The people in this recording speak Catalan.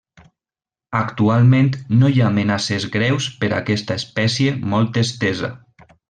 Actualment no hi ha amenaces greus per aquesta espècie molt estesa.